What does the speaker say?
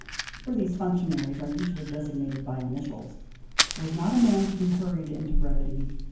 (for these functionaries are usually designated by initials) was not a man to be hurried into brevity.